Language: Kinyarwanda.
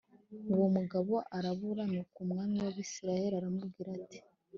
uwo mugabo arabura” Nuko umwami w’Abisirayeli aramubwira ati “